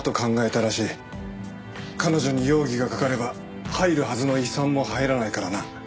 彼女に容疑がかかれば入るはずの遺産も入らないからな。